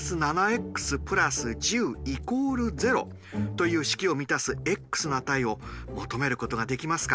という式を満たすｘの値を求めることができますか？